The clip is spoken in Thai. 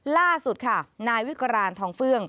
ล่าสุดค่ะนายวิกรานทองเฟื่อง